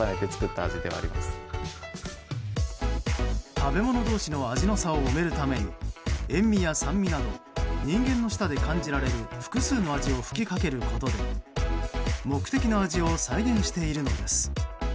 食べ物同士の味の差を埋めるために塩味や酸味など人間の舌で感じられる複数の味を吹きかけることで目的の味を再現しているのです。